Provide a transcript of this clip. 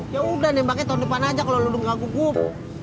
yaudah nembaknya tahun depan aja kalau lo nggak gugup